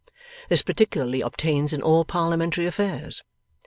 This particularly obtains in all Parliamentary affairs.